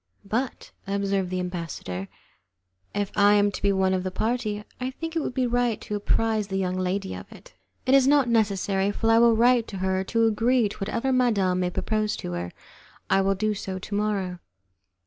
"But," observed the ambassador, "if I am to be one of the party, I think it would be right to apprize the young lady of it." "It is not necessary, for I will write to her to agree to whatever madam may propose to her. I will do so to morrow."